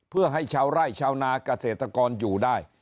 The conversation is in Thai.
เพื่อให้ชาวไร่ชาวนาเกษตรกรอยู่ได้